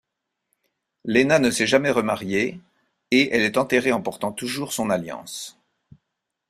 Lena ne s'est jamais remariée, et elle est enterrée en portant toujours son alliance.